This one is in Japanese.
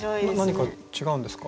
何か違うんですか？